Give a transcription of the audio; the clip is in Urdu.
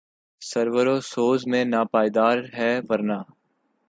سرور و سوز میں ناپائیدار ہے ورنہ